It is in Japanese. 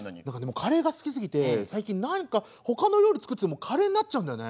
カレーが好きすぎて最近何かほかの料理作っててもカレーになっちゃうんだよね。